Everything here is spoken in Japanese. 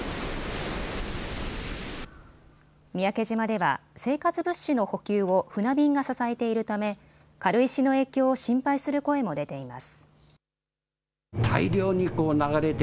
三宅島では生活物資の補給を船便が支えているため軽石の影響を心配する声も出ています。